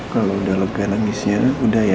kalau udah loga nangisnya udah ya